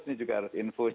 ini juga harus infus